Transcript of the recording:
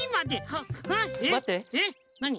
えっなに？